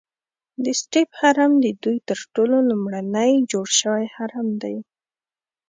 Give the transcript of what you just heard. د سټیپ هرم ددوی تر ټولو لومړنی جوړ شوی هرم دی.